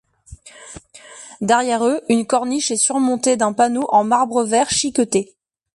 Derrière eux, une corniche est surmontée d'un panneau en marbre vert chiqueté.